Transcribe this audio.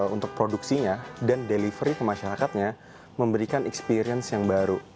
untuk produksinya dan delivery ke masyarakatnya memberikan experience yang baru